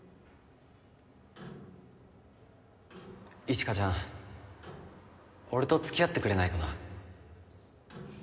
一華ちゃん俺と付き合ってくれないかなフッフフフ！